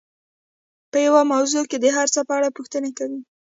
په يوه موضوع کې د هر څه په اړه پوښتنې کوي.